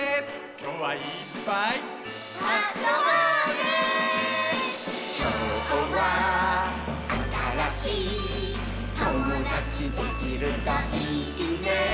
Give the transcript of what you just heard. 「きょうはあたらしいともだちできるといいね」